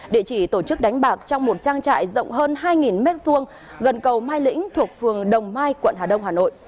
địa chỉ tổ chức đánh bạc trong một trang trại rộng hơn hai m hai gần cầu mai lĩnh thuộc phường đồng mai quận hà đông hà nội